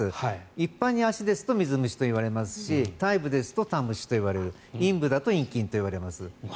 一般に足ですと水虫といわれますし体部ですと、たむしといわれる陰部だといんきんといわれます。